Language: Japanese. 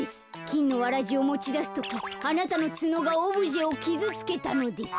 きんのわらじをもちだすときあなたのツノがオブジェをキズつけたのです。